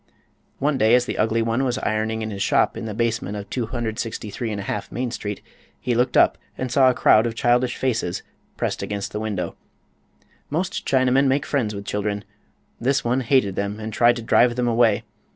One day as the ugly one was ironing in his shop in the basement of 263 1/2 Main street, he looked up and saw a crowd of childish faces pressed against the window. Most Chinamen make friends with children; this one hated them and tried to drive them away.